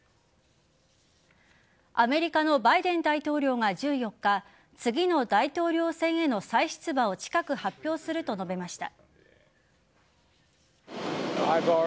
アメリカのバイデン大統領が１４日次の大統領選への再出馬を近く発表すると述べました。